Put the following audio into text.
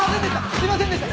すいませんでした！